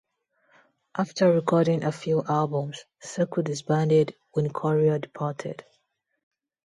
After recording a few albums, Circle disbanded when Corea departed.